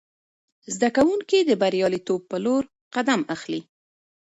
زده کوونکي د بریالیتوب په لور قدم اخلي.